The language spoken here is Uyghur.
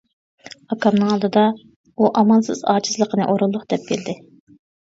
ئاكامنىڭ ئالدىدا، ئۇ ئامالسىز ئاجىزلىقىنى ئورۇنلۇق دەپ بىلدى.